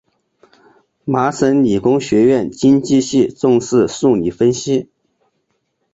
麻省理工学院经济系重视数理分析。